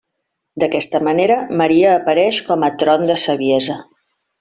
D'aquesta manera, Maria apareix com a Tron de Saviesa.